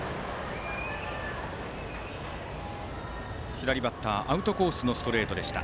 左バッターのアウトコースへのストレートでした。